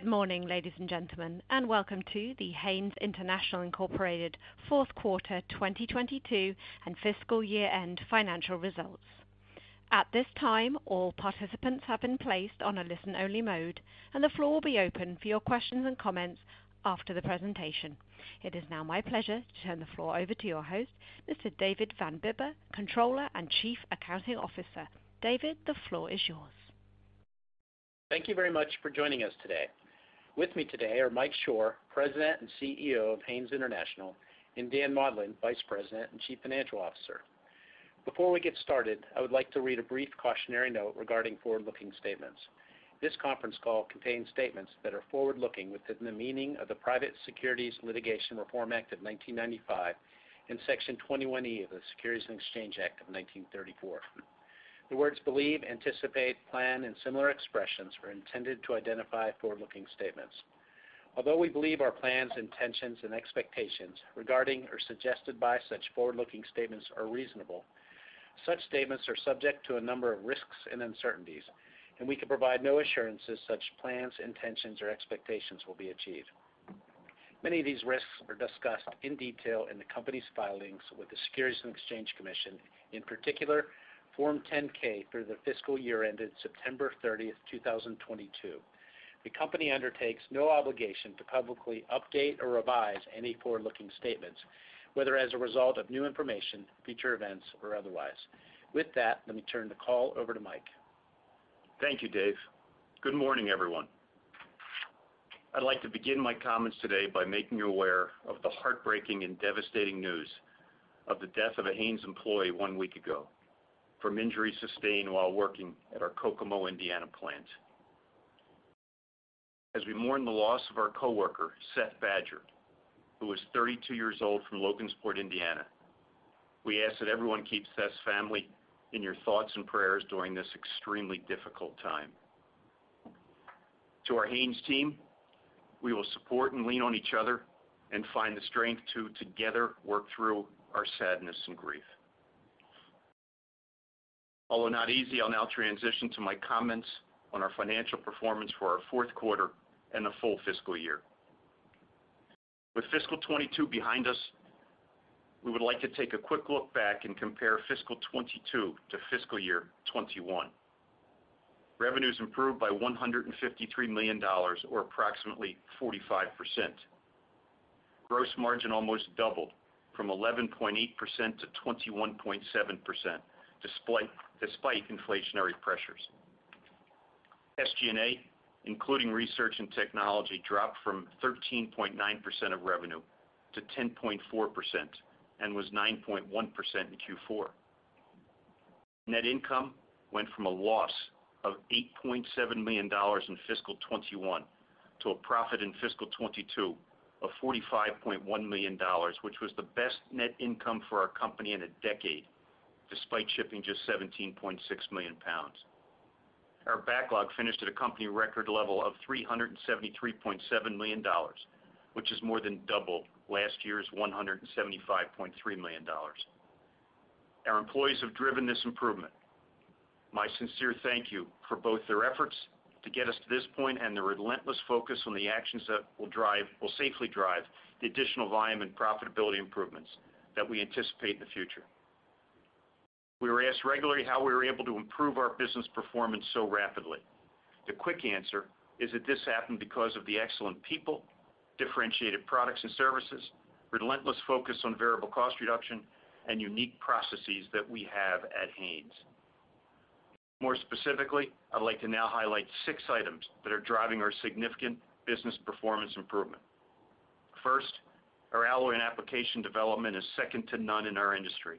Good morning, ladies and gentlemen, and welcome to the Haynes International, Incorporated Fourth Quarter 2022 and Fiscal Year-End Financial Results. At this time, all participants have been placed on a listen-only mode, and the floor will be open for your questions and comments after the presentation. It is now my pleasure to turn the floor over to your host, Mr. David Van Bibber, Controller and Chief Accounting Officer. David, the floor is yours. Thank you very much for joining us today. With me today are Michael Shor, President and CEO of Haynes International, and Daniel W. Maudlin, Vice President and Chief Financial Officer. Before we get started, I would like to read a brief cautionary note regarding forward-looking statements. This conference call contains statements that are forward-looking within the meaning of the Private Securities Litigation Reform Act of 1995 and Section 21E of the Securities and Exchange Act of 1934. The words believe, anticipate, plan, and similar expressions are intended to identify forward-looking statements. Although we believe our plans, intentions, and expectations regarding or suggested by such forward-looking statements are reasonable, such statements are subject to a number of risks and uncertainties, and we can provide no assurances such plans, intentions, or expectations will be achieved. Many of these risks are discussed in detail in the company's filings with the Securities and Exchange Commission, in particular Form 10-K for the fiscal year ended September 30th, 2022. The company undertakes no obligation to publicly update or revise any forward-looking statements, whether as a result of new information, future events, or otherwise. With that, let me turn the call over to Mike. Thank you, Dave. Good morning, everyone. I'd like to begin my comments today by making you aware of the heartbreaking and devastating news of the death of a Haynes employee one week ago from injuries sustained while working at our Kokomo, Indiana plant. As we mourn the loss of our coworker, Seth Badger, who was thirty-two years old from Logansport, Indiana, we ask that everyone keeps Seth's family in your thoughts and prayers during this extremely difficult time. To our Haynes team, we will support and lean on each other and find the strength to together work through our sadness and grief. Although not easy, I'll now transition to my comments on our financial performance for our fourth quarter and the full fiscal year. With fiscal twenty-two behind us, we would like to take a quick look back and compare fiscal 2022 to fiscal year 2021. Revenues improved by $153 million or approximately 45%. Gross margin almost doubled from 11.8%-21.7% despite inflationary pressures. SG&A, including research and technology, dropped from 13.9% of revenue to 10.4% and was 9.1% in Q4. Net income went from a loss of $8.7 million in fiscal 2021 to a profit in fiscal 2022 of $45.1 million, which was the best net income for our company in a decade, despite shipping just 17.6 million lbs. Our backlog finished at a company record level of $373.7 million, which is more than double last year's $175.3 million. Our employees have driven this improvement. My sincere thank you for both their efforts to get us to this point and the relentless focus on the actions that will safely drive the additional volume and profitability improvements that we anticipate in the future. We were asked regularly how we were able to improve our business performance so rapidly. The quick answer is that this happened because of the excellent people, differentiated products and services, relentless focus on variable cost reduction, and unique processes that we have at Haynes. More specifically, I'd like to now highlight six items that are driving our significant business performance improvement. First, our alloy and application development is second to none in our industry.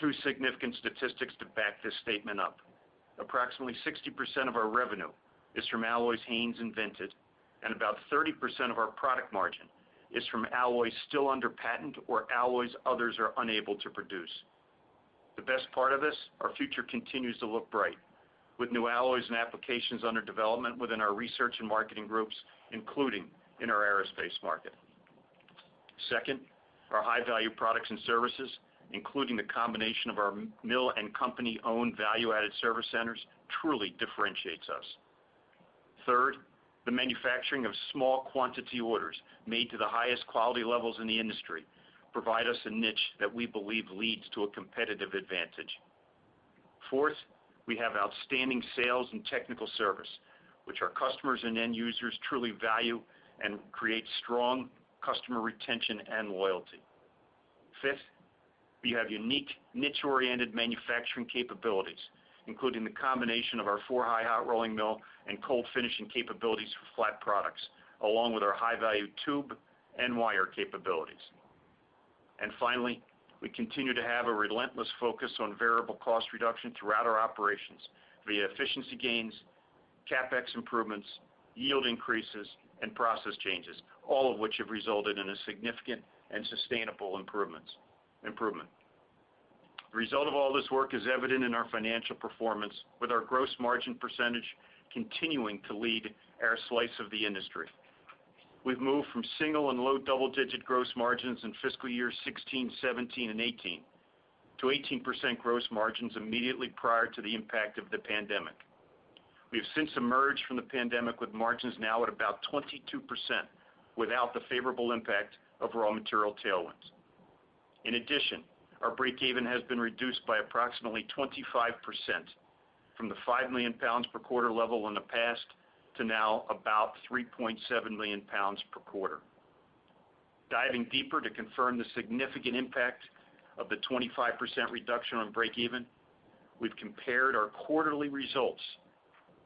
Two significant statistics to back this statement up. Approximately 60% of our revenue is from alloys Haynes invented, and about 30% of our product margin is from alloys still under patent or alloys others are unable to produce. The best part of this, our future continues to look bright, with new alloys and applications under development within our research and marketing groups, including in our aerospace market. Second, our high-value products and services, including the combination of our mill and company-owned value-added service centers, truly differentiates us. Third, the manufacturing of small quantity orders made to the highest quality levels in the industry provide us a niche that we believe leads to a competitive advantage. Fourth, we have outstanding sales and technical service, which our customers and end users truly value and create strong customer retention and loyalty. Fifth, we have unique niche-oriented manufacturing capabilities, including the combination of our four-high hot rolling mill and cold finishing capabilities for flat products, along with our high-value tube and wire capabilities. Finally, we continue to have a relentless focus on variable cost reduction throughout our operations via efficiency gains, CapEx improvements, yield increases, and process changes, all of which have resulted in a significant and sustainable improvement. The result of all this work is evident in our financial performance, with our gross margin percentage continuing to lead our slice of the industry. We've moved from single and low double-digit gross margins in fiscal year 2016, 2017, and 2018 to 18% gross margins immediately prior to the impact of the pandemic. We have since emerged from the pandemic with margins now at about 22% without the favorable impact of raw material tailwinds. In addition, our breakeven has been reduced by approximately 25% from the 5 million lbs per quarter level in the past to now about 3.7 million lbs per quarter. Diving deeper to confirm the significant impact of the 25% reduction on breakeven, we've compared our quarterly results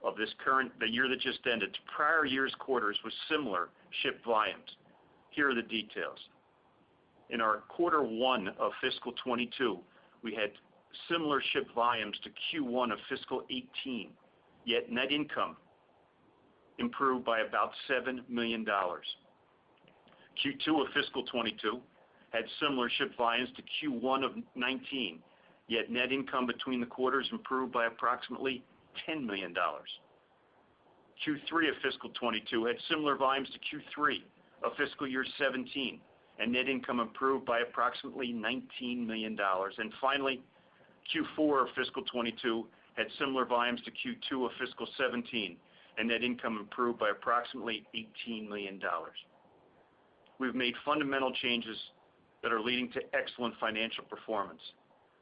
of the year that just ended to prior years' quarters with similar shipped volumes. Here are the details. In our Quarter one of fiscal 2022, we had similar shipped volumes to Q1 of fiscal 2018, yet net income improved by about $7 million. Q2 of fiscal 2022 had similar shipped volumes to Q1 of 2019, yet net income between the quarters improved by approximately $10 million. Q3 of fiscal 2022 had similar volumes to Q3 of fiscal year 2017, and net income improved by approximately $19 million. Finally, Q4 of fiscal 2022 had similar volumes to Q2 of fiscal 2017, and net income improved by approximately $18 million. We've made fundamental changes that are leading to excellent financial performance.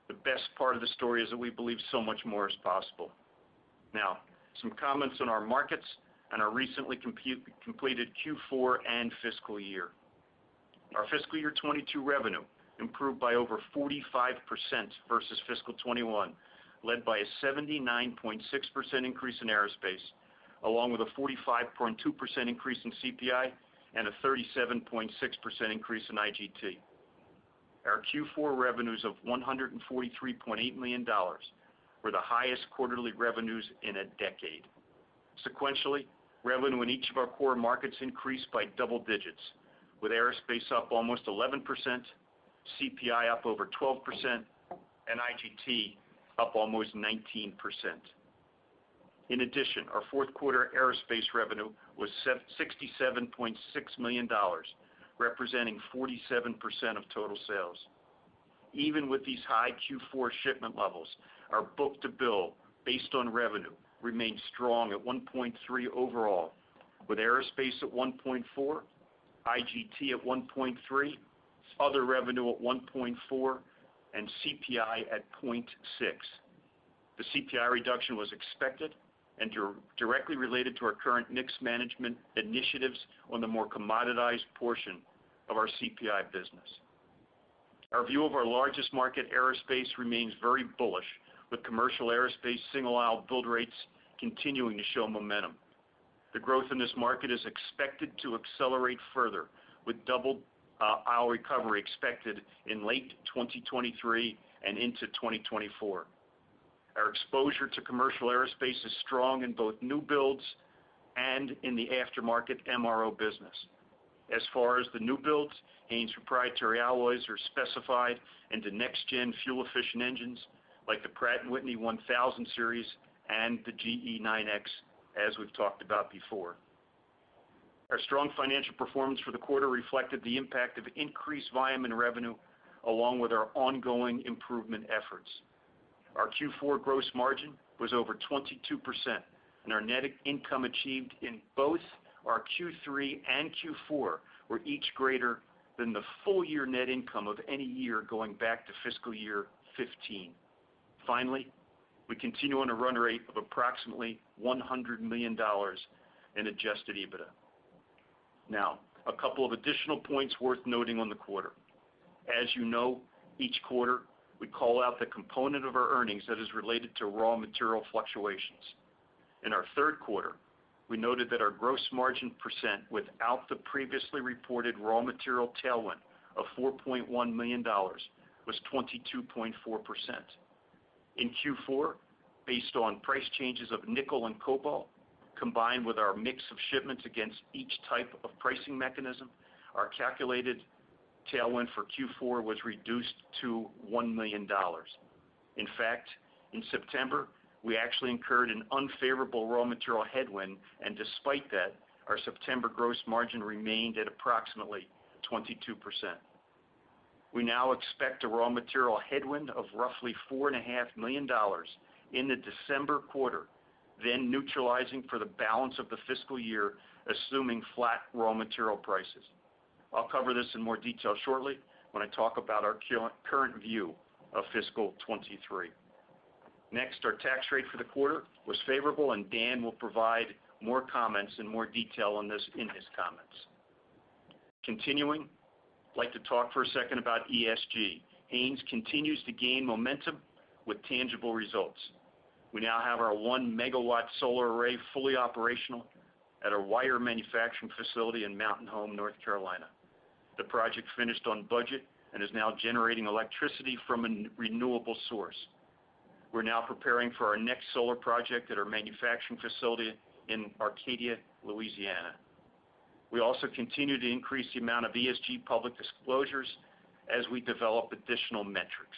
The best part of the story is that we believe so much more is possible. Now, some comments on our markets and our recently completed Q4 and fiscal year. Our fiscal year 2022 revenue improved by over 45% versus fiscal 2021, led by a 79.6% increase in aerospace, along with a 45.2% increase in CPI and a 37.6% increase in IGT. Our Q4 revenues of $143.8 million were the highest quarterly revenues in a decade. Sequentially, revenue in each of our core markets increased by double digits, with aerospace up almost 11%, CPI up over 12%, and IGT up almost 19%. In addition, our fourth quarter aerospace revenue was $67.6 million, representing 47% of total sales. Even with these high Q4 shipment levels, our book-to-bill based on revenue remains strong at 1.3 overall, with aerospace at 1.4, IGT at 1.3, other revenue at 1.4, and CPI at 0.6. The CPI reduction was expected and directly related to our current mix management initiatives on the more commoditized portion of our CPI business. Our view of our largest market, aerospace, remains very bullish, with commercial aerospace single-aisle build rates continuing to show momentum. The growth in this market is expected to accelerate further, with double-aisle recovery expected in late 2023 and into 2024. Our exposure to commercial aerospace is strong in both new builds and in the aftermarket MRO business. As far as the new builds, Haynes proprietary alloys are specified into next-gen fuel-efficient engines like the Pratt & Whitney 1,000 series and the GE9X, as we've talked about before. Our strong financial performance for the quarter reflected the impact of increased volume and revenue along with our ongoing improvement efforts. Our Q4 gross margin was over 22%, and our net income achieved in both our Q3 and Q4 were each greater than the full year net income of any year going back to fiscal year 2015. Finally, we continue on a run rate of approximately $100 million in adjusted EBITDA. Now, a couple of additional points worth noting on the quarter. As you know, each quarter, we call out the component of our earnings that is related to raw material fluctuations. In our third quarter, we noted that our gross margin percent without the previously reported raw material tailwind of $4.1 million was 22.4%. In Q4, based on price changes of nickel and cobalt, combined with our mix of shipments against each type of pricing mechanism, our calculated tailwind for Q4 was reduced to $1 million. In fact, in September, we actually incurred an unfavorable raw material headwind, and despite that, our September gross margin remained at approximately 22%. We now expect a raw material headwind of roughly four and a half million dollars in the December quarter, then neutralizing for the balance of the fiscal year, assuming flat raw material prices. I'll cover this in more detail shortly when I talk about our current view of fiscal 2023. Next, our tax rate for the quarter was favorable, and Dan will provide more comments and more detail on this in his comments. Continuing, I'd like to talk for a second about ESG. Haynes continues to gain momentum with tangible results. We now have our 1 MW solar array fully operational at our wire manufacturing facility in Mountain Home, North Carolina. The project finished on budget and is now generating electricity from a renewable source. We're now preparing for our next solar project at our manufacturing facility in Arcadia, Louisiana. We also continue to increase the amount of ESG public disclosures as we develop additional metrics.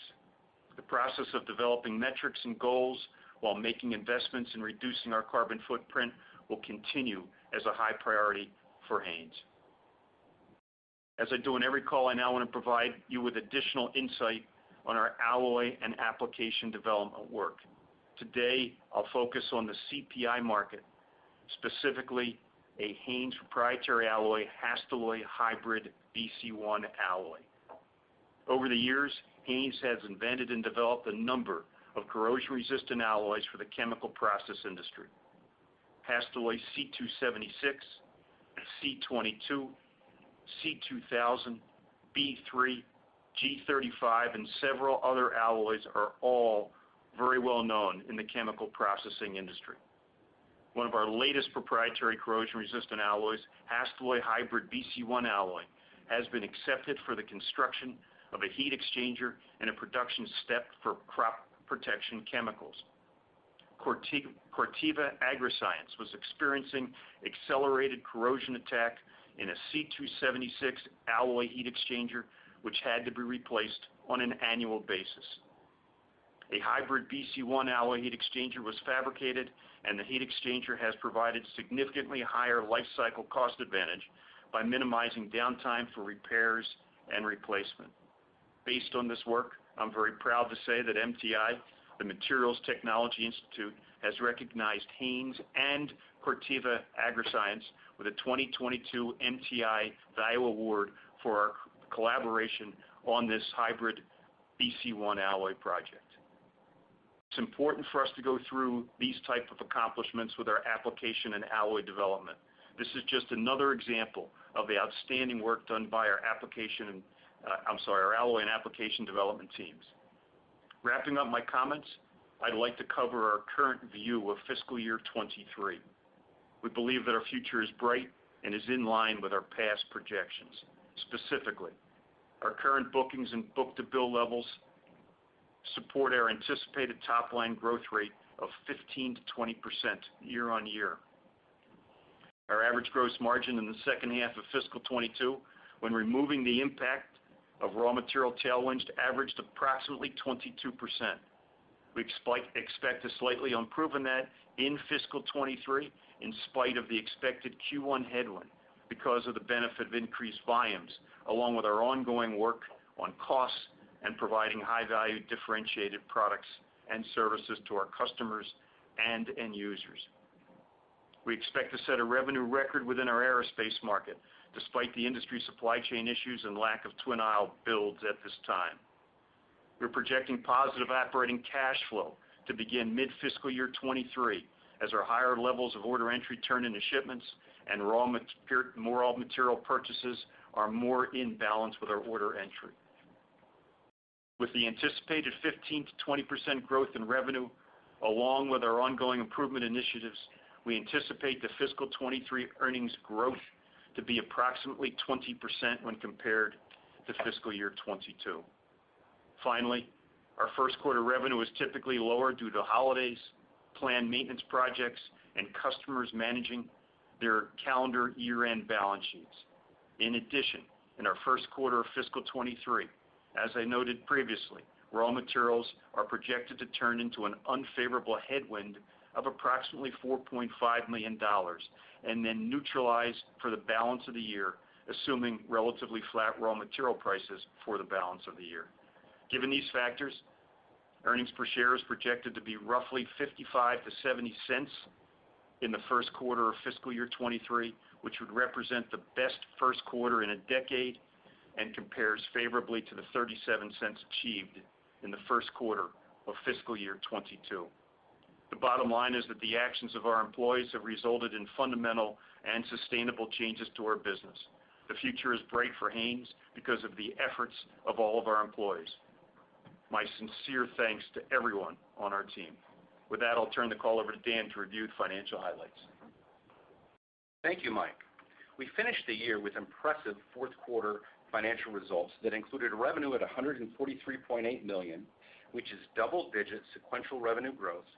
The process of developing metrics and goals while making investments in reducing our carbon footprint will continue as a high priority for Haynes. As I do in every call, I now want to provide you with additional insight on our alloy and application development work. Today, I'll focus on the CPI market, specifically a Haynes proprietary alloy HASTELLOY HYBRID-BC1 alloy. Over the years, Haynes has invented and developed a number of corrosion-resistant alloys for the chemical process industry. HASTELLOY C-276, C-22, C-2000, B-3, G-35, and several other alloys are all very well known in the chemical processing industry. One of our latest proprietary corrosion-resistant alloys, HASTELLOY HYBRID-BC1 alloy, has been accepted for the construction of a heat exchanger and a production step for crop protection chemicals. Corteva Agriscience was experiencing accelerated corrosion attack in a C-276 alloy heat exchanger, which had to be replaced on an annual basis. A HYBRID-BC1 alloy heat exchanger was fabricated, and the heat exchanger has provided significantly higher lifecycle cost advantage by minimizing downtime for repairs and replacement. Based on this work, I'm very proud to say that MTI, the Materials Technology Institute, has recognized Haynes and Corteva Agriscience with a 2022 MTI Value Award for our collaboration on this HYBRID-BC1 alloy project. It's important for us to go through these type of accomplishments with our application and alloy development. This is just another example of the outstanding work done by, I'm sorry, our alloy and application development teams. Wrapping up my comments, I'd like to cover our current view of fiscal year 2023. We believe that our future is bright and is in line with our past projections. Specifically, our current bookings and book-to-bill levels support our anticipated top-line growth rate of 15%-20% year-on-year. Our average gross margin in the second half of fiscal 2022, when removing the impact of raw material tailwinds, averaged approximately 22%. We expect to slightly improve on that in fiscal 2023 in spite of the expected Q1 headwind because of the benefit of increased volumes, along with our ongoing work on costs and providing high-value differentiated products and services to our customers and end users. We expect to set a revenue record within our aerospace market despite the industry supply chain issues and lack of twin-aisle builds at this time. We're projecting positive operating cash flow to begin mid-fiscal year 2023 as our higher levels of order entry turn into shipments and more raw material purchases are more in balance with our order entry. With the anticipated 15%-20% growth in revenue, along with our ongoing improvement initiatives, we anticipate the fiscal 2023 earnings growth to be approximately 20% when compared to fiscal year 2022. Finally, our first quarter revenue is typically lower due to holidays, planned maintenance projects, and customers managing their calendar year-end balance sheets. In addition, in our first quarter of fiscal 2023, as I noted previously, raw materials are projected to turn into an unfavorable headwind of approximately $4.5 million and then neutralized for the balance of the year, assuming relatively flat raw material prices for the balance of the year. Given these factors, earnings per share is projected to be roughly $0.55-$0.70 in the first quarter of fiscal year 2023, which would represent the best first quarter in a decade and compares favorably to the $0.37 achieved in the first quarter of fiscal year 2022. The bottom line is that the actions of our employees have resulted in fundamental and sustainable changes to our business. The future is bright for Haynes because of the efforts of all of our employees. My sincere thanks to everyone on our team. With that, I'll turn the call over to Dan to review financial highlights. Thank you, Mike. We finished the year with impressive fourth quarter financial results that included revenue at $143.8 million, which is double-digit sequential revenue growth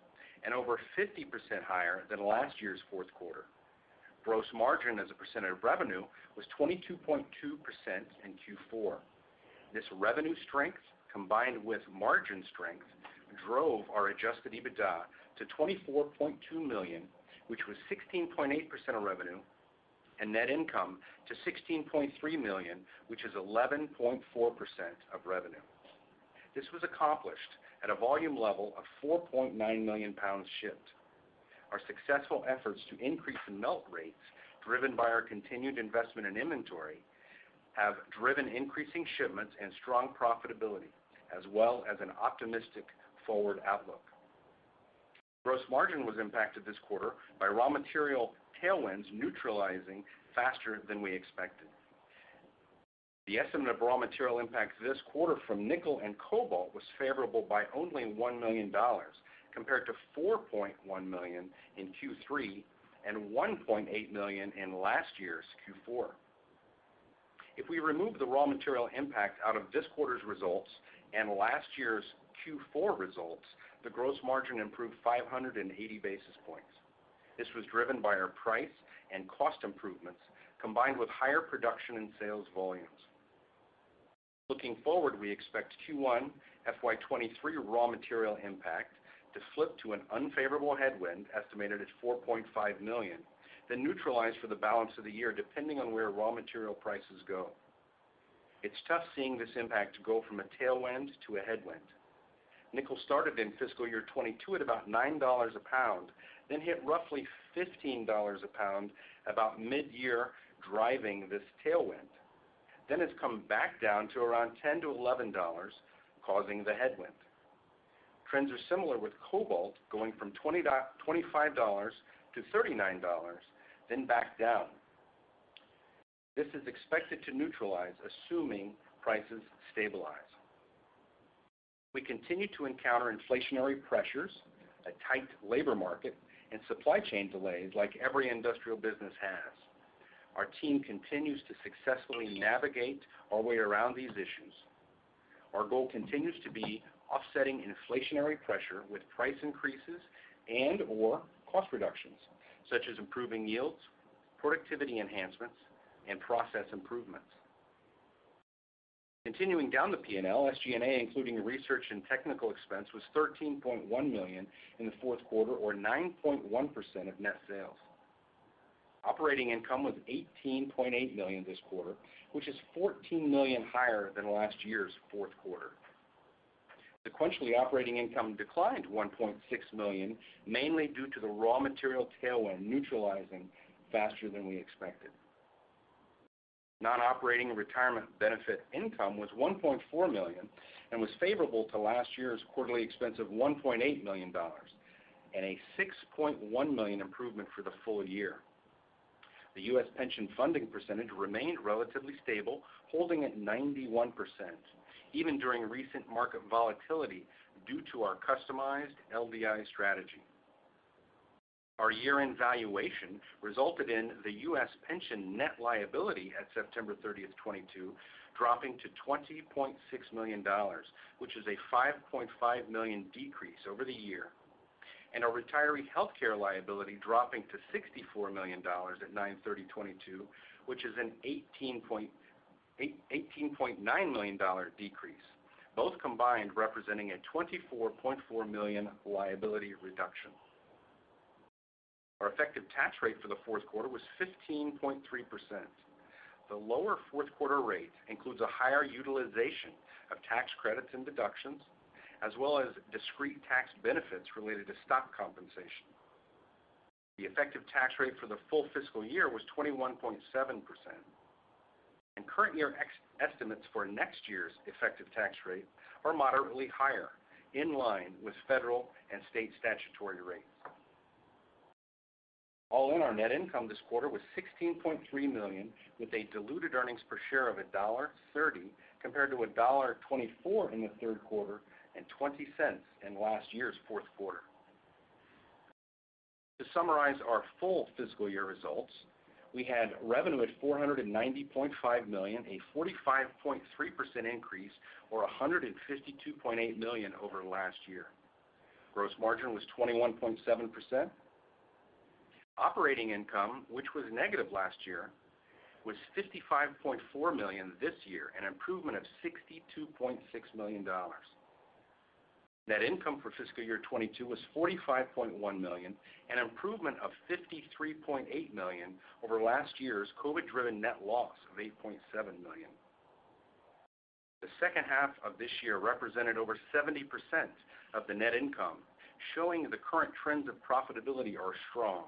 and over 50% higher than last year's fourth quarter. Gross margin as a percent of revenue was 22.2% in Q4. This revenue strength, combined with margin strength, drove our adjusted EBITDA to $24.2 million, which was 16.8% of revenue, and net income to $16.3 million, which is 11.4% of revenue. This was accomplished at a volume level of 4.9 million lbs shipped. Our successful efforts to increase melt rates, driven by our continued investment in inventory, have driven increasing shipments and strong profitability as well as an optimistic forward outlook. Gross margin was impacted this quarter by raw material tailwinds neutralizing faster than we expected. The estimate of raw material impact this quarter from nickel and cobalt was favorable by only $1 million, compared to $4.1 million in Q3 and $1.8 million in last year's Q4. If we remove the raw material impact out of this quarter's results and last year's Q4 results, the gross margin improved 580 basis points. This was driven by our price and cost improvements, combined with higher production and sales volumes. Looking forward, we expect Q1 FY 2023 raw material impact to flip to an unfavorable headwind estimated at $4.5 million, then neutralize for the balance of the year depending on where raw material prices go. It's tough seeing this impact go from a tailwind to a headwind. Nickel started in fiscal year 2022 at about $9 a pound, then hit roughly $15 a pound about mid-year, driving this tailwind. It's come back down to around $10-$11, causing the headwind. Trends are similar with cobalt going from $25-$39, then back down. This is expected to neutralize, assuming prices stabilize. We continue to encounter inflationary pressures, a tight labor market, and supply chain delays like every industrial business has. Our team continues to successfully navigate our way around these issues. Our goal continues to be offsetting inflationary pressure with price increases and/or cost reductions, such as improving yields, productivity enhancements, and process improvements. Continuing down the P&L, SG&A, including research and technical expense, was $13.1 million in the fourth quarter or 9.1% of net sales. Operating income was $18.8 million this quarter, which is $14 million higher than last year's fourth quarter. Sequentially, operating income declined $1.6 million, mainly due to the raw material tailwind neutralizing faster than we expected. Non-operating retirement benefit income was $1.4 million and was favorable to last year's quarterly expense of $1.8 million, and a $6.1 million improvement for the full year. The U.S. pension funding percentage remained relatively stable, holding at 91%, even during recent market volatility due to our customized LDI strategy. Our year-end valuation resulted in the U.S. pension net liability at September 30th, 2022 dropping to $20.6 million, which is a $5.5 million decrease over the year. Our retiree healthcare liability dropping to $64 million at September 30, 2022, which is an $18.9 million decrease, both combined representing a $24.4 million liability reduction. Our effective tax rate for the fourth quarter was 15.3%. The lower fourth quarter rate includes a higher utilization of tax credits and deductions, as well as discrete tax benefits related to stock compensation. The effective tax rate for the full fiscal year was 21.7%. Current year estimates for next year's effective tax rate are moderately higher, in line with federal and state statutory rates. All in, our net income this quarter was $16.3 million with a diluted earnings per share of $1.30 compared to $1.24 in the third quarter and $0.20 in last year's fourth quarter. To summarize our full fiscal year results, we had revenue at $490.5 million, a 45.3% increase or $152.8 million over last year. Gross margin was 21.7%. Operating income, which was negative last year, was $55.4 million this year, an improvement of $62.6 million. Net income for fiscal year 2022 was $45.1 million, an improvement of $53.8 million over last year's COVID-driven net loss of $8.7 million. The second half of this year represented over 70% of the net income, showing the current trends of profitability are strong,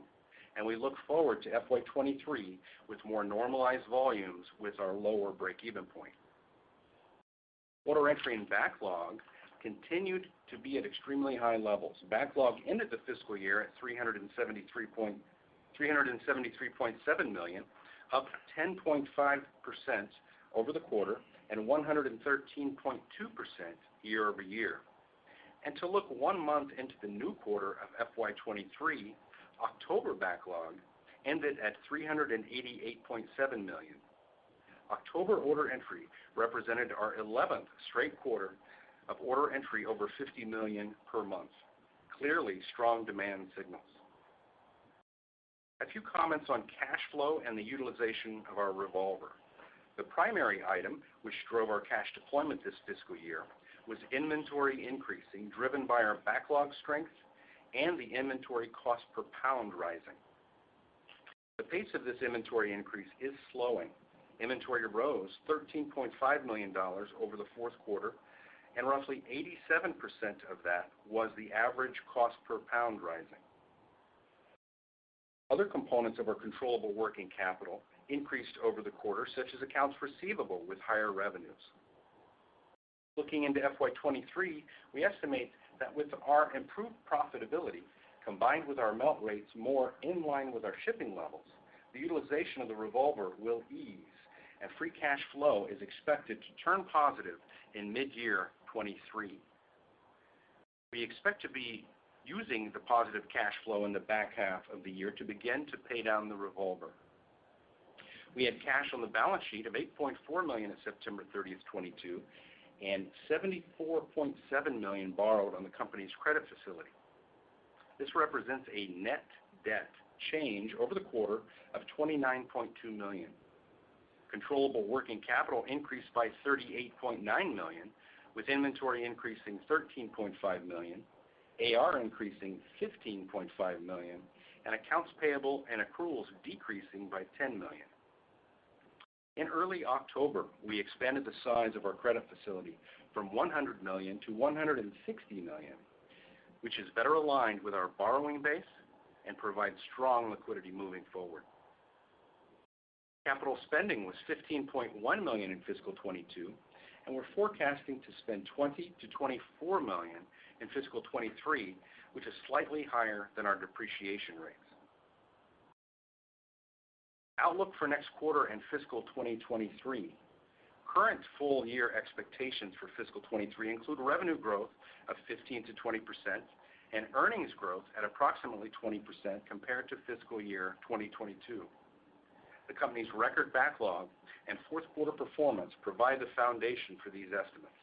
and we look forward to FY 2023 with more normalized volumes with our lower breakeven point. Order entry and backlog continued to be at extremely high levels. Backlog ended the fiscal year at $373.7 million, up 10.5% over the quarter and 113.2% year-over-year. To look one month into the new quarter of FY 2023, October backlog ended at $388.7 million. October order entry represented our 11th straight quarter of order entry over $50 million per month. Clearly strong demand signals. A few comments on cash flow and the utilization of our revolver. The primary item which drove our cash deployment this fiscal year was inventory increasing, driven by our backlog strength and the inventory cost per pound rising. The pace of this inventory increase is slowing. Inventory rose $13.5 million over the fourth quarter, and roughly 87% of that was the average cost per pound rising. Other components of our controllable working capital increased over the quarter, such as accounts receivable with higher revenues. Looking into FY 2023, we estimate that with our improved profitability, combined with our melt rates more in line with our shipping levels, the utilization of the revolver will ease, and free cash flow is expected to turn positive in mid-year 2023. We expect to be using the positive cash flow in the back half of the year to begin to pay down the revolver. We had cash on the balance sheet of eight point four at September 30th, 2022, and $74.7 million borrowed on the company's credit facility. This represents a net debt change over the quarter of $29.2 million. Controllable working capital increased by $38.9 million, with inventory increasing $13.5 million, A.R. increasing $15.5 million, and accounts payable and accruals decreasing by $10 million. In early October, we expanded the size of our credit facility from $100 million-$160 million, which is better aligned with our borrowing base and provides strong liquidity moving forward. Capital spending was $15.1 million in fiscal 2022, and we're forecasting to spend $20 million-$24 million in fiscal 2023, which is slightly higher than our depreciation rates. Outlook for next quarter and fiscal 2023. Current full year expectations for fiscal 2023 include revenue growth of 15%-20% and earnings growth at approximately 20% compared to fiscal year 2022. The company's record backlog and fourth quarter performance provide the foundation for these estimates.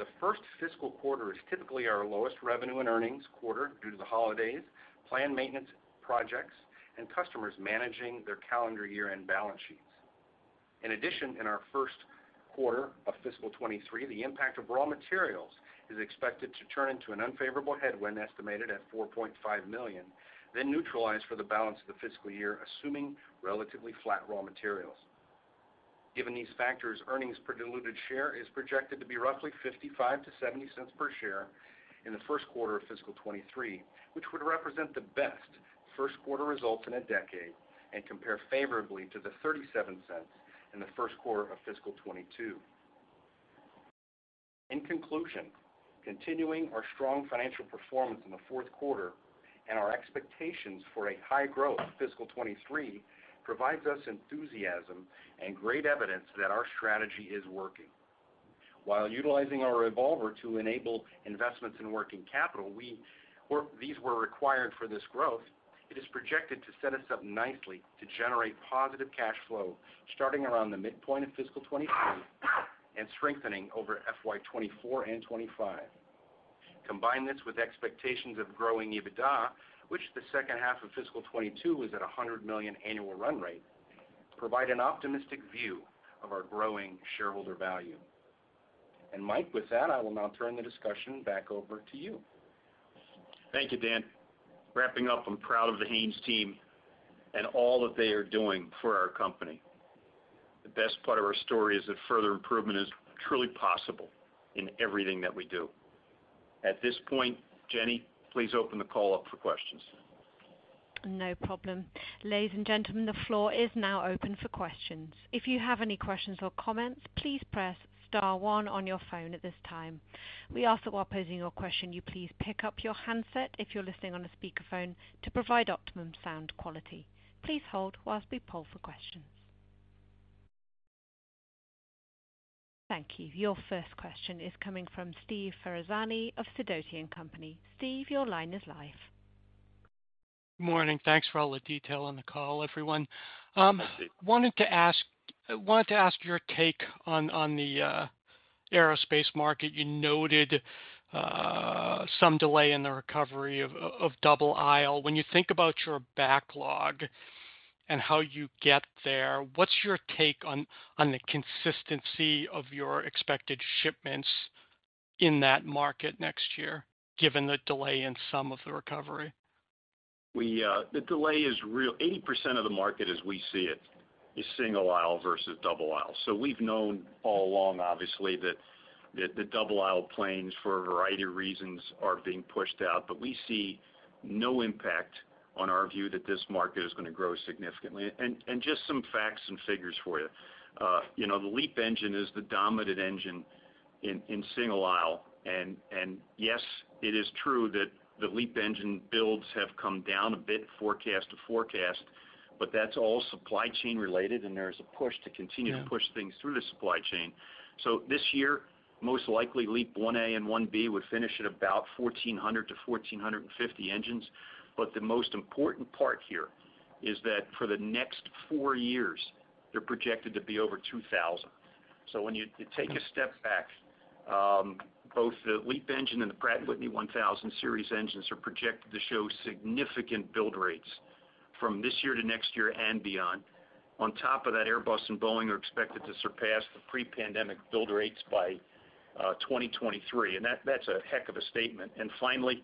The first fiscal quarter is typically our lowest revenue and earnings quarter due to the holidays, planned maintenance projects, and customers managing their calendar year-end balance sheets. In addition, in our first quarter of fiscal 2023, the impact of raw materials is expected to turn into an unfavorable headwind, estimated at $4.5 million, then neutralized for the balance of the fiscal year, assuming relatively flat raw materials. Given these factors, earnings per diluted share is projected to be roughly $0.55-$0.70 per share in the first quarter of fiscal 2023, which would represent the best first quarter results in a decade and compare favorably to the $0.37 in the first quarter of fiscal 2022. In conclusion, continuing our strong financial performance in the fourth quarter and our expectations for a high-growth fiscal 2023 provides us enthusiasm and great evidence that our strategy is working. While utilizing our revolver to enable investments in working capital, these were required for this growth, it is projected to set us up nicely to generate positive cash flow starting around the midpoint of fiscal 2023 and strengthening over FY 2024 and 2025. Combine this with expectations of growing EBITDA, which the second half of fiscal 2022 was at a $100 million annual run rate, provide an optimistic view of our growing shareholder value. Mike, with that, I will now turn the discussion back over to you. Thank you, Dan. Wrapping up, I'm proud of the Haynes team and all that they are doing for our company. The best part of our story is that further improvement is truly possible in everything that we do. At this point, Jenny, please open the call up for questions. No problem. Ladies and gentlemen, the floor is now open for questions. If you have any questions or comments, please press star one on your phone at this time. We ask that while posing your question, you please pick up your handset if you're listening on a speakerphone to provide optimum sound quality. Please hold whilst we poll for questions. Thank you. Your first question is coming from Steve Ferazani of Sidoti & Company. Steve, your line is live. Good morning. Thanks for all the detail on the call, everyone. Wanted to ask your take on the aerospace market. You noted some delay in the recovery of double aisle. When you think about your backlog and how you get there, what's your take on the consistency of your expected shipments in that market next year, given the delay in some of the recovery? The delay is real. 80% of the market as we see it is single-aisle versus double-aisle. We've known all along, obviously, that the double-aisle planes, for a variety of reasons, are being pushed out. We see no impact on our view that this market is gonna grow significantly. Just some facts and figures for you. You know, the LEAP engine is the dominant engine in single-aisle. Yes, it is true that the LEAP engine builds have come down a bit forecast to forecast, but that's all supply chain related, and there is a push to continue. Yeah. To push things through the supply chain. This year, most likely LEAP-1A and 1B would finish at about 1,400-1,450 engines. The most important part here is that for the next four years, they're projected to be over 2,000. When you take a step back, both the LEAP engine and the Pratt & Whitney 1,000 series engines are projected to show significant build rates from this year to next year and beyond. On top of that, Airbus and Boeing are expected to surpass the pre-pandemic build rates by 2023, and that's a heck of a statement. Finally,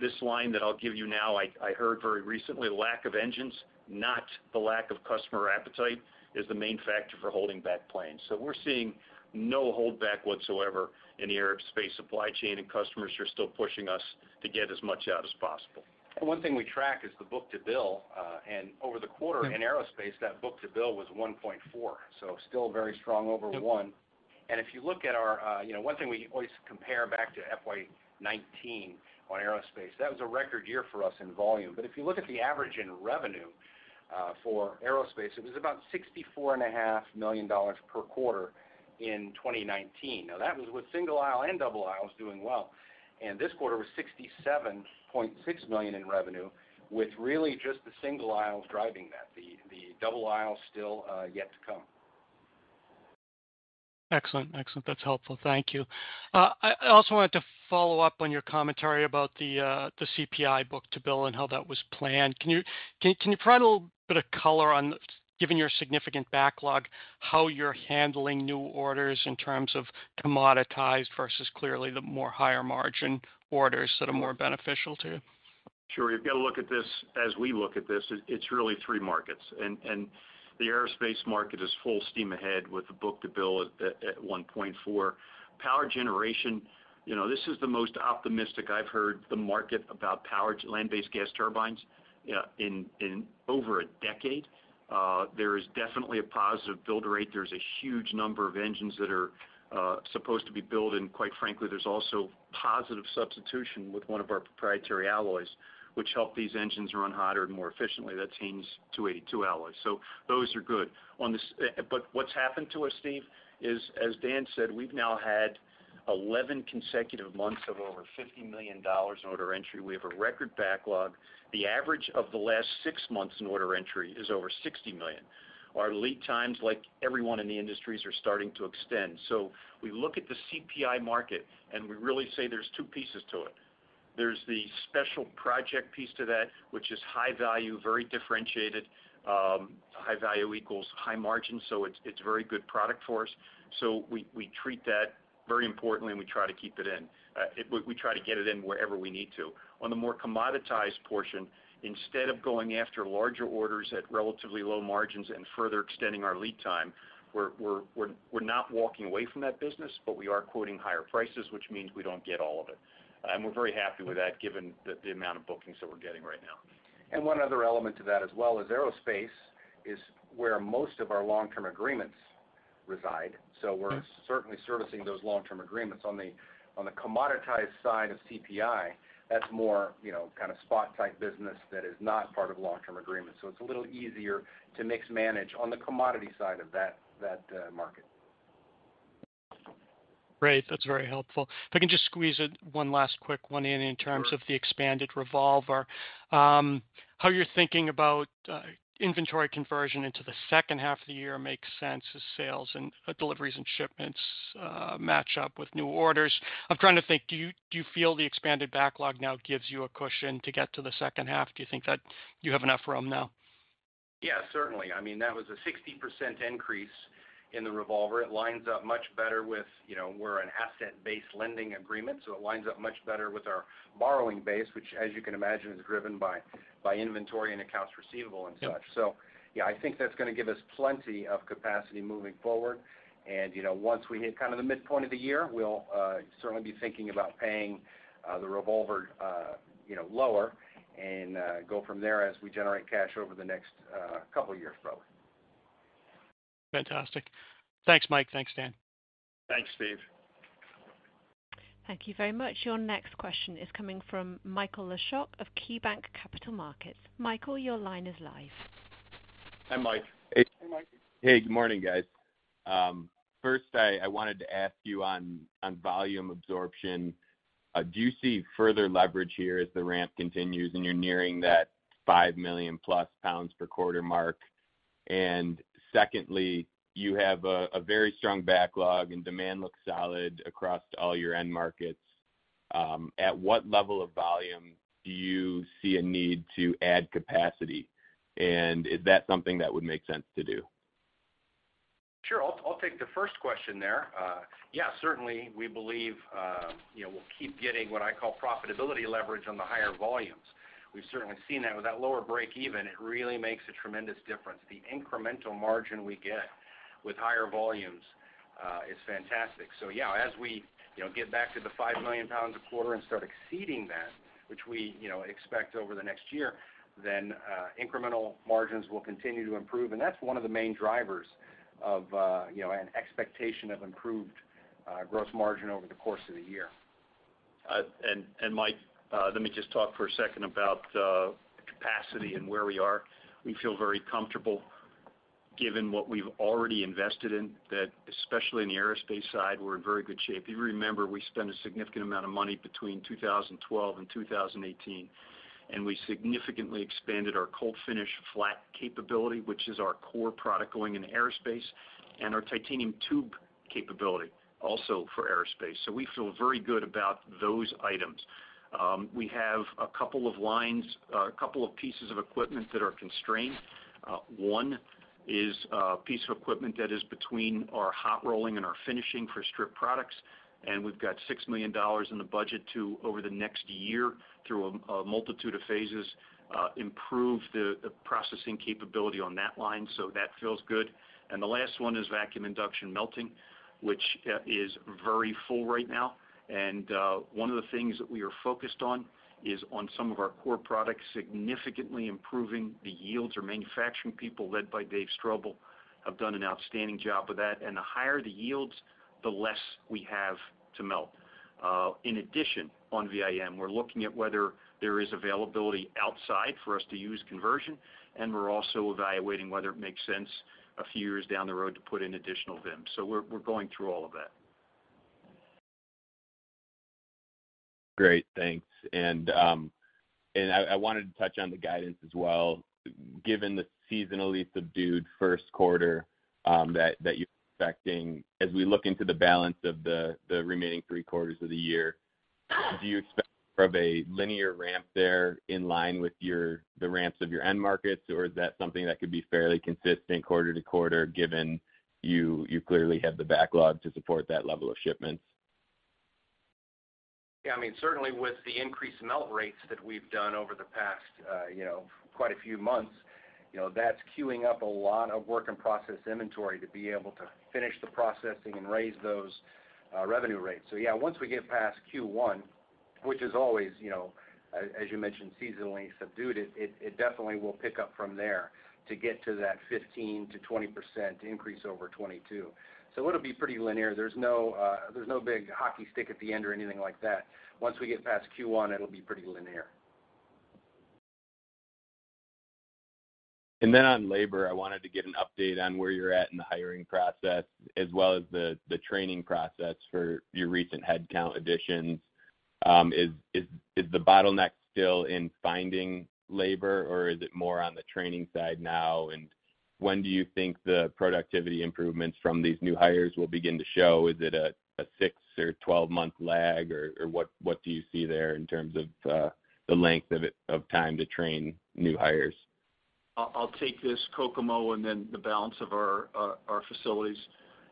this line that I'll give you now, I heard very recently, lack of engines, not the lack of customer appetite, is the main factor for holding back planes. We're seeing no holdback whatsoever in the aerospace supply chain, and customers are still pushing us to get as much out as possible. One thing we track is the book-to-bill. Over the quarter in aerospace, that book-to-bill was 1.4, so still very strong over one. If you look at our, you know, one thing we always compare back to FY 2019 on aerospace, that was a record year for us in volume. If you look at the average in revenue for aerospace, it was about sixty-four and a half million dollars per quarter in 2019. Now, that was with single-aisle and double-aisles doing well. This quarter was $67.6 million in revenue, with really just the single-aisles driving that, the double-aisle still yet to come. Excellent. That's helpful. Thank you. I also wanted to follow up on your commentary about the CPI book-to-bill and how that was planned. Can you provide a little bit of color on, given your significant backlog, how you're handling new orders in terms of commoditized versus clearly the more higher margin orders that are more beneficial to you? You've got to look at this as we look at this, it's really three markets. The aerospace market is full steam ahead with the book-to-bill at 1.4. Power generation, you know, this is the most optimistic I've heard the market about power to land-based gas turbines in over a decade. There is definitely a positive build rate. There's a huge number of engines that are supposed to be built. Quite frankly, there's also positive substitution with one of our proprietary alloys, which help these engines run hotter and more efficiently. That's HAYNES 282 alloys. Those are good. What's happened to us, Steve, is, as Dan said, we've now had 11 consecutive months of over $50 million in order entry. We have a record backlog. The average of the last six months in order entry is over $60 million. Our lead times, like everyone in the industries, are starting to extend. We look at the CPI market, and we really say there's two pieces to it. There's the special project piece to that, which is high value, very differentiated. High value equals high margin, so it's very good product for us. We treat that very importantly, and we try to keep it in. We try to get it in wherever we need to. On the more commoditized portion, instead of going after larger orders at relatively low margins and further extending our lead time, we're not walking away from that business, but we are quoting higher prices, which means we don't get all of it. We're very happy with that given the amount of bookings that we're getting right now. One other element to that as well is aerospace is where most of our long-term agreements reside. We're certainly servicing those long-term agreements. On the commoditized side of CPI, that's more, you know, kind of spot-type business that is not part of long-term agreements, so it's a little easier to mix-manage on the commodity side of that market. Great. That's very helpful. If I can just squeeze one last quick one in terms of the expanded revolver. How you're thinking about inventory conversion into the second half of the year makes sense as sales and deliveries and shipments match up with new orders. I'm trying to think, do you feel the expanded backlog now gives you a cushion to get to the second half? Do you think that you have enough room now? Yeah, certainly. I mean, that was a 60% increase in the revolver. It lines up much better with, you know, we're an asset-based lending agreement, so it lines up much better with our borrowing base, which as you can imagine, is driven by inventory and accounts receivable and such. Yeah, I think that's gonna give us plenty of capacity moving forward. You know, once we hit kind of the midpoint of the year, we'll certainly be thinking about paying the revolver, you know, lower and go from there as we generate cash over the next couple of years probably. Fantastic. Thanks, Mike. Thanks, Dan. Thanks, Steve. Thank you very much. Your next question is coming from Michael Leshock of KeyBanc Capital Markets. Michael, your line is live. Hi, Mike. Hey. Hey, Mike. Hey, good morning, guys. First, I wanted to ask you on volume absorption. Do you see further leverage here as the ramp continues and you're nearing that 5 million+ lbs per quarter mark? Secondly, you have a very strong backlog and demand looks solid across all your end markets. At what level of volume do you see a need to add capacity? Is that something that would make sense to do? Sure. I'll take the first question there. Yeah, certainly, we believe, you know, we'll keep getting what I call profitability leverage on the higher volumes. We've certainly seen that. With that lower breakeven, it really makes a tremendous difference. The incremental margin we get with higher volumes is fantastic. Yeah, as we, you know, get back to the 5 million pounds a quarter and start exceeding that, which we, you know, expect over the next year, then incremental margins will continue to improve. That's one of the main drivers of, you know, an expectation of improved gross margin over the course of the year. Mike, let me just talk for a second about capacity and where we are. We feel very comfortable given what we've already invested in that, especially in the aerospace side, we're in very good shape. You remember we spent a significant amount of money between 2012 and 2018, and we significantly expanded our cold finish flat capability, which is our core product going into aerospace, and our titanium tube capability also for aerospace. We feel very good about those items. We have a couple of lines, a couple of pieces of equipment that are constrained. One is a piece of equipment that is between our hot rolling and our finishing for strip products, and we've got $6 million in the budget to, over the next year through a multitude of phases, improve the processing capability on that line, so that feels good. The last one is vacuum induction melting, which is very full right now. One of the things that we are focused on is on some of our core products, significantly improving the yields. Our manufacturing people, led by Dave Strobel, have done an outstanding job with that. The higher the yields, the less we have to melt. Uh, in addition, on VIM, we're looking at whether there is availability outside for us to use conversion, and we're also evaluating whether it makes sense a few years down the road to put in additional VIM. So we're going through a- Great, thanks. I wanted to touch on the guidance as well, given the seasonally subdued first quarter that you're expecting as we look into the balance of the remaining three quarters of the year. Do you expect more of a linear ramp there in line with the ramps of your end markets? Is that something that could be fairly consistent quarter-to-quarter, given you clearly have the backlog to support that level of shipments? Yeah, I mean, certainly with the increased melt rates that we've done over the past, you know, quite a few months, you know, that's queuing up a lot of work-in-process inventory to be able to finish the processing and raise those revenue rates. Yeah, once we get past Q1, which is always, you know, as you mentioned, seasonally subdued, it definitely will pick up from there to get to that 15%-20% increase over 2022. It'll be pretty linear. There's no big hockey stick at the end or anything like that. Once we get past Q1, it'll be pretty linear. On labor, I wanted to get an update on where you're at in the hiring process as well as the training process for your recent headcount additions. Is the bottleneck still in finding labor, or is it more on the training side now? When do you think the productivity improvements from these new hires will begin to show? Is it a six or 12 month lag, or what do you see there in terms of the length of time to train new hires? I'll take this Kokomo and then the balance of our facilities.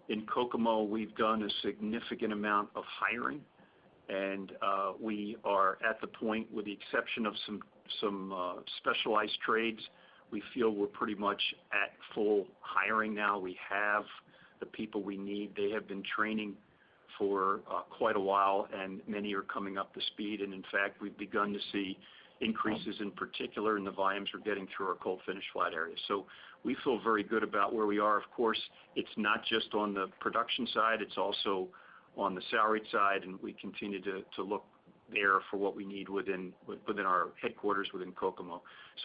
In Kokomo, we've done a significant amount of hiring, and we are at the point, with the exception of some specialized trades, we feel we're pretty much at full hiring now. We have the people we need. They have been training for quite a while, and many are coming up to speed. In fact, we've begun to see increases in particular in the volumes we're getting through our cold finish wide area. We feel very good about where we are. Of course, it's not just on the production side, it's also on the salaried side, and we continue to look there for what we need within our headquarters within Kokomo.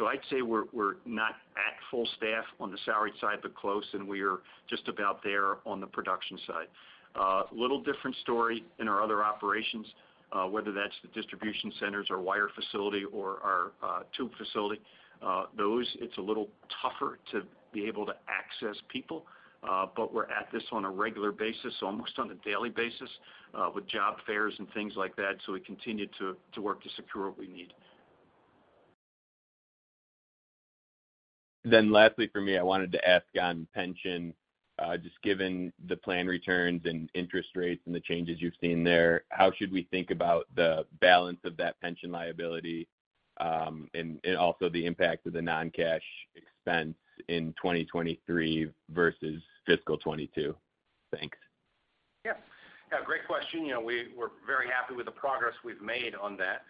I'd say we're not at full staff on the salaried side, but close, and we are just about there on the production side. Little different story in our other operations, whether that's the distribution centers, our wire facility or our tube facility. Those, it's a little tougher to be able to access people, but we're at this on a regular basis, almost on a daily basis, with job fairs and things like that. We continue to work to secure what we need. Lastly for me, I wanted to ask on pension, just given the plan returns and interest rates and the changes you've seen there, how should we think about the balance of that pension liability and also the impact of the non-cash expense in 2023 versus fiscal 2022? Thanks. Yeah, great question. You know, we're very happy with the progress we've made on that.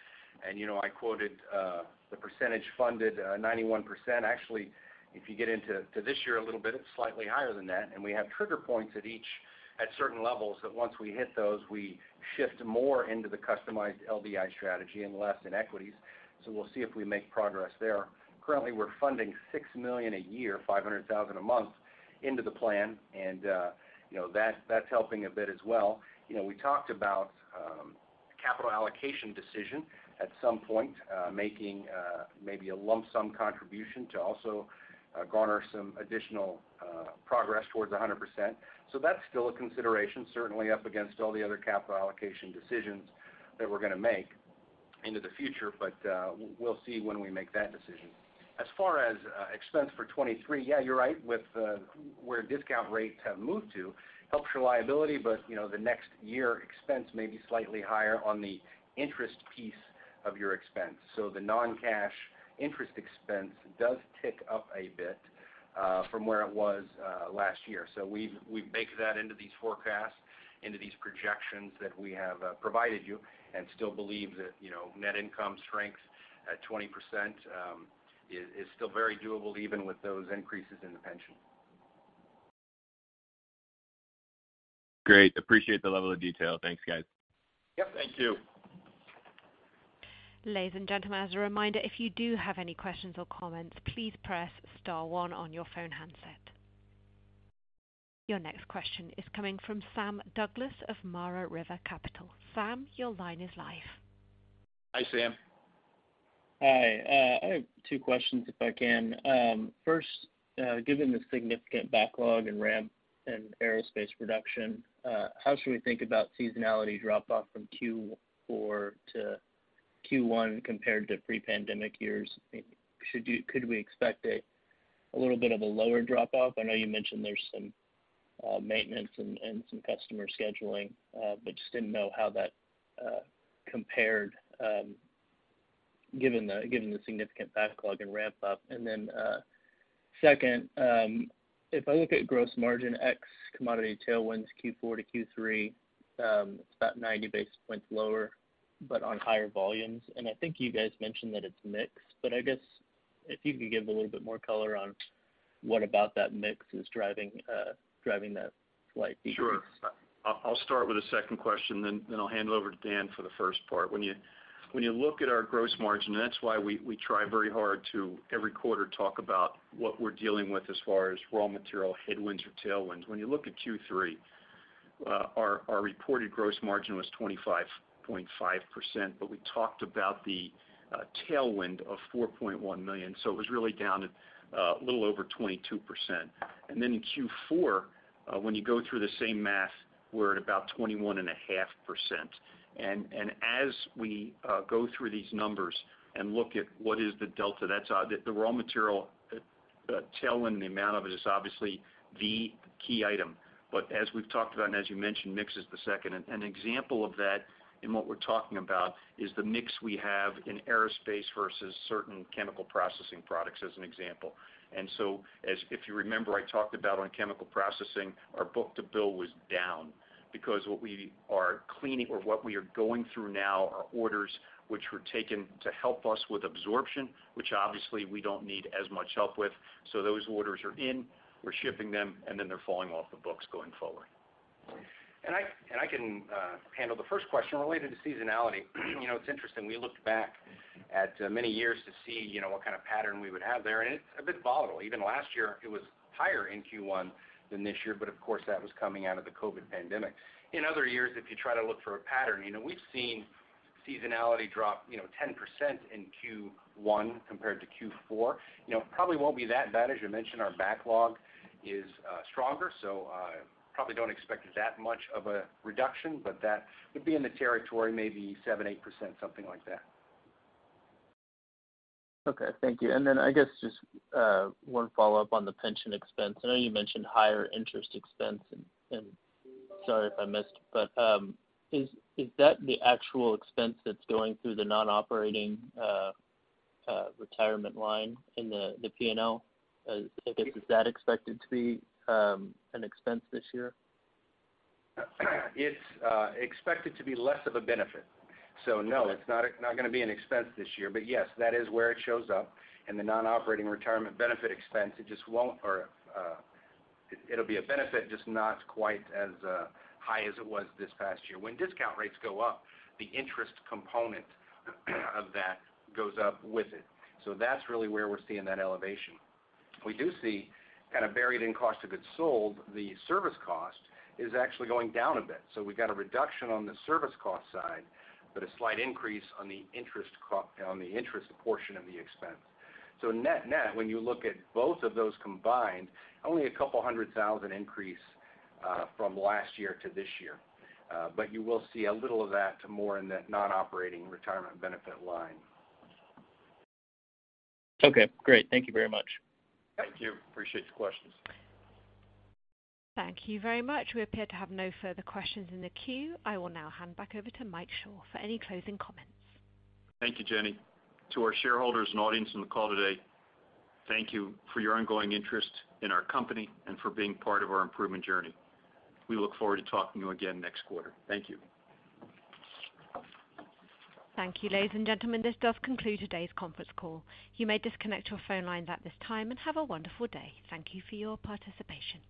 You know, I quoted the percentage funded, 91%. Actually, if you get into this year a little bit, it's slightly higher than that. We have trigger points at certain levels that once we hit those, we shift more into the customized LDI strategy and less in equities. We'll see if we make progress there. Currently, we're funding $6 million a year, $500,000 a month into the plan, and, you know, that's helping a bit as well. You know, we talked about capital allocation decision at some point, making maybe a lump sum contribution to also garner some additional progress towards 100%. That's still a consideration, certainly up against all the other capital allocation decisions that we're gonna make into the future, but we'll see when we make that decision. As far as expense for 2023, yeah, you're right. With where discount rates have moved to helps your liability, but you know, the next year expense may be slightly higher on the interest piece of your expense. The non-cash interest expense does tick up a bit from where it was last year. We've baked that into these forecasts, into these projections that we have provided you and still believe that, you know, net income strength at 20% is still very doable even with those increases in the pension. Great. Appreciate the level of detail. Thanks, guys. Yep. Thank you. Ladies and gentlemen, as a reminder, if you do have any questions or comments, please press star one on your phone handset. Your next question is coming from Sam Douglas of Mara River Capital. Sam, your line is live. Hi, Sam. Hi. I have two questions if I can. First, given the significant backlog in ramp and aerospace production, how should we think about seasonality drop off from Q4 to Q1 compared to pre-pandemic years? Could we expect a little bit of a lower drop off? I know you mentioned there's some maintenance and some customer scheduling, but just didn't know how that compared given the significant backlog and ramp up. Second, if I look at gross margin ex commodity tailwinds Q4 to Q3, it's about 90 basis points lower, but on higher volumes. I think you guys mentioned that it's mixed, but I guess if you could give a little bit more color on what about that mix is driving that slight decrease. Sure. I'll start with the second question, then I'll hand it over to Dan for the first part. When you look at our gross margin. That's why we try very hard to every quarter talk about what we're dealing with as far as raw material headwinds or tailwinds. When you look at Q3, our reported gross margin was 25.5%. We talked about the tailwind of $4.1 million. It was really down a little over 22%. In Q4, when you go through the same math, we're at about 21.5%. As we go through these numbers and look at what is the delta, that's the raw material tailwind, the amount of it is obviously the key item. As we've talked about, and as you mentioned, mix is the second. An example of that, and what we're talking about is the mix we have in aerospace versus certain chemical processing products, as an example. If you remember, I talked about on chemical processing, our book-to-bill was down because what we are cleaning or what we are going through now are orders which were taken to help us with absorption, which obviously we don't need as much help with. Those orders are in, we're shipping them, and then they're falling off the books going forward. I can handle the first question related to seasonality. You know, it's interesting. We looked back at many years to see, you know, what kind of pattern we would have there, and it's a bit volatile. Even last year, it was higher in Q1 than this year, but of course, that was coming out of the COVID pandemic. In other years, if you try to look for a pattern, you know, we've seen seasonality drop, you know, 10% in Q1 compared to Q4. You know, probably won't be that bad. As you mentioned, our backlog is stronger, so probably don't expect that much of a reduction, but that would be in the territory, maybe 7%-8%, something like that. Okay, thank you. I guess just one follow-up on the pension expense. I know you mentioned higher interest expense, and sorry if I missed, but is that the actual expense that's going through the non-operating retirement line in the P&L? Is that expected to be an expense this year? It's, uh, expected to be less of a benefit. So no, it's not gonna be an expense this year. But yes, that is where it shows up in the non-operating retirement benefit expense. It just won't or, uh, it'll be a benefit, just not quite as, uh, high as it was this past year. When discount rates go up, the interest component of that goes up with it. So that's really where we're seeing that elevation. We do see kind of buried in cost of goods sold, the service cost is actually going down a bit. So we've got a reduction on the service cost side, but a slight increase on the interest co-- on the interest portion of the expense. So net-net, when you look at both of those combined, only a couple hundred thousand increase, uh, from last year to this year. You will see a little of that more in that non-operating retirement benefit line. Okay, great. Thank you very much. Thank you. Appreciate your questions. Thank you very much. We appear to have no further questions in the queue. I will now hand back over to Michael L. Shor for any closing comments. Thank you, Jenny. To our shareholders and audience on the call today, thank you for your ongoing interest in our company and for being part of our improvement journey. We look forward to talking to you again next quarter. Thank you. Thank you. Ladies and gentlemen, this does conclude today's conference call. You may disconnect your phone lines at this time and have a wonderful day. Thank you for your participation.